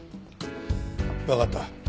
わかった。